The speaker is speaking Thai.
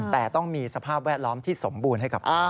แต่ต้องมีสภาพแวดล้อมที่สมบูรณ์ให้กับ